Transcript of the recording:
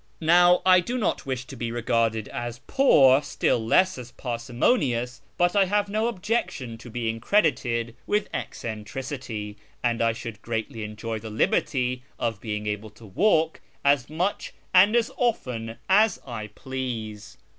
Now I do not wish to be regarded as poor, still less as parsimonious ; but I have no objection to being credited with eccentricity, and I should greatly enjoy the liberty of being able to walk as much and as often as I please."